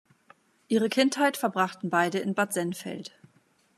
Ihre Kindheit verbrachten beide in Bad Sennfeld.